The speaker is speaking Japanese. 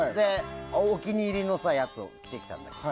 お気に入りのやつを着てきたんだけど。